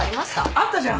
あったじゃん。